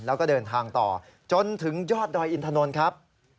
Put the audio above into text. แล้วก็เดินทางต่อจนถึงยอดดอยอินทนนท์ครับ